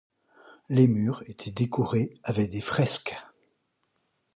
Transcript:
Les murs était décores avec des fresques.